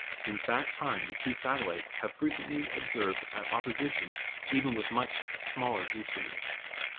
Since that time the two satellites have been frequently observed at opposition even with much smaller instruments.